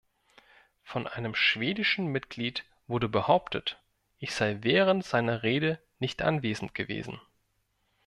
Von einem schwedischen Mitglied wurde behauptet, ich sei während seiner Rede nicht anwesend gewesen.